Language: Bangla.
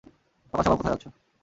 সকাল সকাল কোথায় যাচ্ছ?